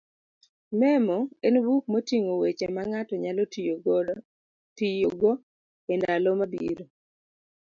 Memo en buk moting'o weche mang'ato nyalo tiyogo e ndalo mabiro.